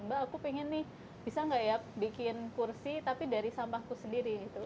mbak aku pengen nih bisa nggak ya bikin kursi tapi dari sampahku sendiri gitu